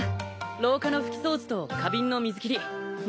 廊下の拭き掃除と花瓶の水切り緲箸